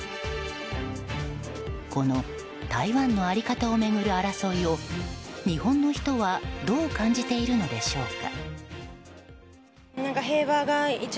この台湾の在り方を巡る争いを日本の人はどう感じているのでしょうか。